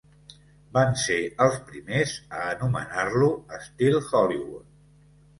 Van ser els primers a anomenar-lo "Estil Hollywood".